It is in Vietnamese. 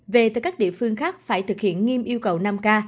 về từ các địa phương khác phải thực hiện nghiêm yêu cầu năm k